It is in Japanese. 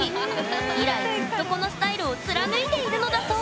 以来ずっとこのスタイルを貫いているのだそう